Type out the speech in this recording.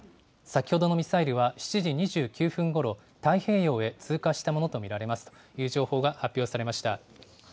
先ほどのミサイルは、７時２９分ごろ、太平洋へ通過したものと見られますという情報が発表されました。